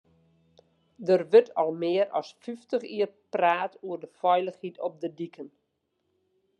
Der wurdt al mear as fyftich jier praat oer de feilichheid op de diken.